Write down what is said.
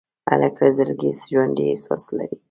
هلک له زړګي ژوندي احساس لري.